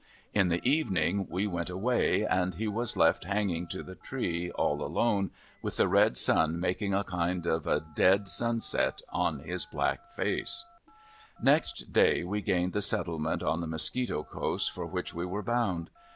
In the evening we went away, and he w^as iSo I'ERILS OF CERTAIN ENGLISH PRISONERS left hanging to tlic tree, all alone, ^vith the red sun making a kind of a dead sunset on his black fiice. Next dav, we gained the settlement on the Mosquito coast for which we were bound.